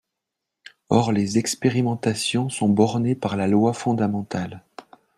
Or les expérimentations sont bornées par la loi fondamentale.